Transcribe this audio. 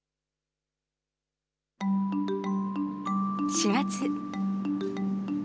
４月。